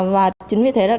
và chính vì thế là đó